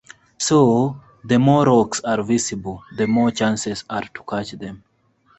So, the more rocks are visible, the more chances are to catch them.